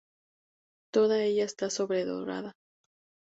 Toda ella está sobredorada.